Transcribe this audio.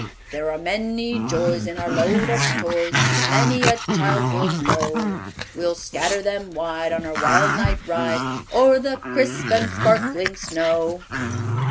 There are many joys In our load of toys, As many a child will know; We'll scatter them wide On our wild night ride O'er the crisp and sparkling snow!"